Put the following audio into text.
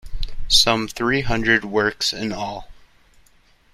Some three hundred works in all.